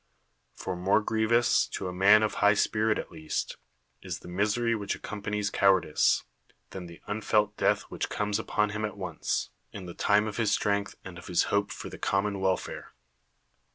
For more grievous, to a man of high spirit at least, is the misery which accompanies cowardice, than the unfelt death which comes upon him at once, 24 PERICLES in the time of his strength and of his hope for the common welfare.